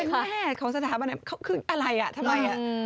เป็นแม่ของสถาบันไหนคืออะไรอ่ะทำไมอ่ะ